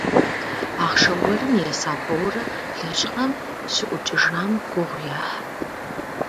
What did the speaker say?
Ахъшэ уэрым еса Борэ лэжьыгъэм щыӏукӏыжам гугъу ехьырт.